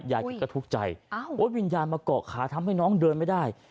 คิดก็ทุกข์ใจวิญญาณมาเกาะขาทำให้น้องเดินไม่ได้